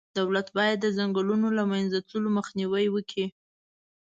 دولت باید د ځنګلونو د له منځه تللو مخنیوی وکړي.